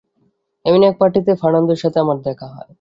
এমনি এক পার্টিতে ফার্নান্দোর সাথে আমার দেখা হয়।